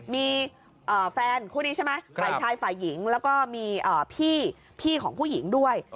มีแฟนคู่นี้ใช่ไหมฝ่ายชายฝ่ายหญิงแล้วก็มีพี่ของผู้หญิงด้วย